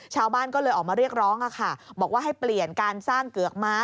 ชาวบ้านก็เลยออกมาเรียกร้องบอกว่าให้เปลี่ยนการสร้างเกือกม้า